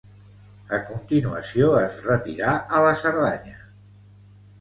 A continuació es retirà a la Cerdanya.